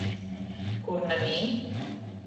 Kurnavīn.